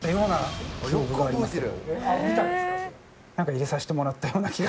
入れさせてもらったような気が。